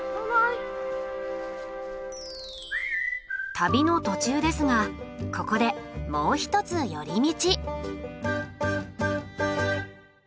旅の途中ですがここでもう一つより道。